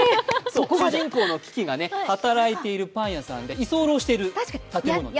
そう、主人公のキキが働いているパン屋さんで居候している建物です。